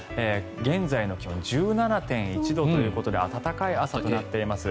現在の気温１７．１度ということで暖かい朝となっています。